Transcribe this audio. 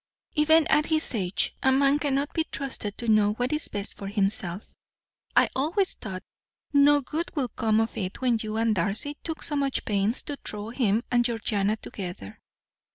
Even at his age a man cannot be trusted to know what is best for himself. I always thought no good would come of it when you and Darcy took so much pains to throw him and Georgiana together.